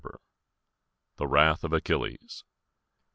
XVI. THE WRATH OF ACHILLES.